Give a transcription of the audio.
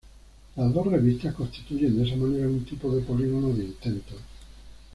Las dos revistas constituyen de esa manera un tipo de polígono de intentos.